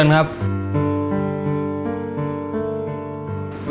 แม่ผมจะเอาเท้าเขาเช็ด